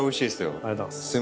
ありがとうございます。